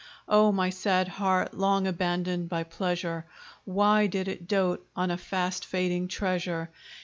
Oh! my sad heart! long abandoned by pleasure, Why did it dote on a fast fading treasure?